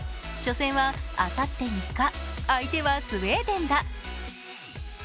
初戦はあさって３日相手はスウェーデンだ。